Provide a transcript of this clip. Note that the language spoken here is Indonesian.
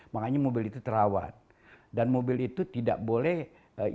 makanya mobil itu terawat dan mobil itu tidak boleh ikut